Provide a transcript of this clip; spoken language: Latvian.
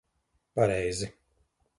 Pareizi.